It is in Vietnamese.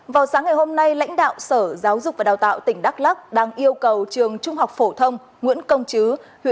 vào sáng ngày hôm nay lãnh đạo sở giáo dục và đào tạo tỉnh đắk lắc đang yêu cầu trường trung học phổ thông nguyễn công chứ